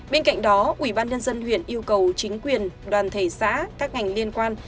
bên cạnh đó ủy ban nhân dân huyện yêu cầu chính quyền đoàn thể xã các ngành liên quan